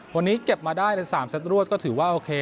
วันนี้เก็บมาได้ใน๓เซตรวดก็ถือว่าโอเค